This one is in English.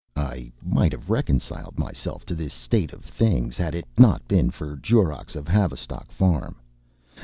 I might have reconciled myself to this state of things had it not been for Jorrocks of Havistock Farm.